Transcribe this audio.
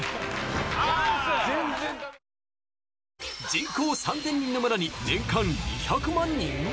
人口３０００人の村に年間２００万人！？